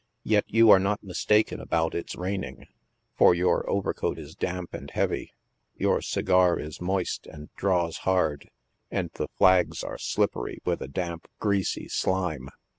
Yet you are not mistaken about its rain ing, for your over coat is damp and heavy. Your segar is moist aud draws hard, and the flags are slippery with a damp, greasy slime.